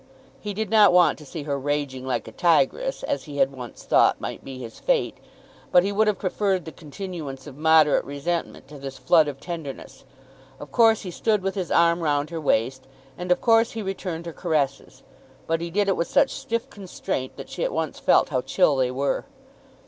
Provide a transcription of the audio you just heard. He did not want to see her raging like a tigress, as he had once thought might be his fate; but he would have preferred the continuance of moderate resentment to this flood of tenderness. Of course he stood with his arm round her waist, and of course he returned her caresses; but he did it with such stiff constraint that she at once felt how chill they were.